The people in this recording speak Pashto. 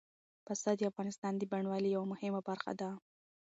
پسه د افغانستان د بڼوالۍ یوه مهمه برخه ده.